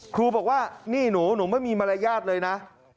ครูบอกว่านี่หนูหนูไม่มีมารยาทเลยนะ